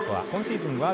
今シーズン